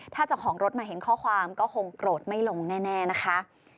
ถ้าเจ้าของรถมาเห็นข้อความก็คงโกรธไม่ลงแน่นะคะ